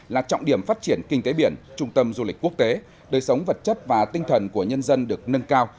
là trọng điểm phát triển kinh tế biển trung tâm du lịch quốc tế đời sống vật chất và tinh thần của nhân dân được nâng cao